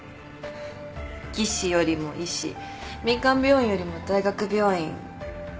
技師よりも医師民間病院よりも大学病院。